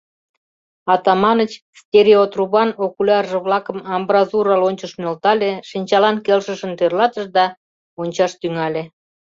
Атаманыч стереотрубан окулярже-влакым амбразура лончыш нӧлтале, шинчалан келшышын тӧрлатыш да ончаш тӱҥале.